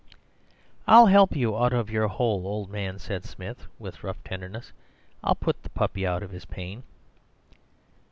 "'I'll help you out of your hole, old man,' said Smith, with rough tenderness. 'I'll put the puppy out of his pain.